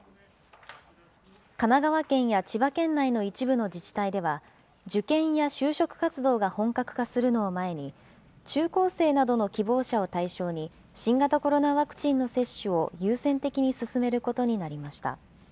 神奈川県や千葉県内の一部の自治体では、受験や就職活動が本格化するのを前に、中高生などの希望者を対象に、新型コロナワクチンの接種を優先的に進めることになりました。